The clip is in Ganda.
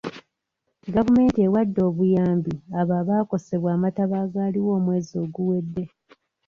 Gavumenti ewadde obuyambi abo abaakosebwa amataba agaaliwo omwezi oguwedde.